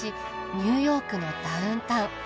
ニューヨークのダウンタウン。